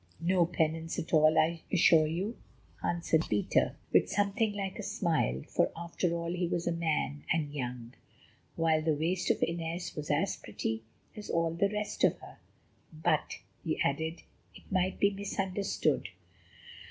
"No penance at all, I assure you," answered Peter with something like a smile. For after all he was a man, and young; while the waist of Inez was as pretty as all the rest of her. "But," he added, "it might be misunderstood."